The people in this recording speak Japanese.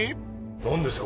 何ですか？